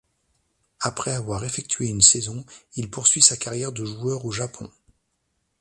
Après avoir effectué une saison, il poursuit sa carrière de joueur au Japon.